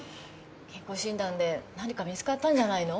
健康診断で何か見つかったんじゃないの？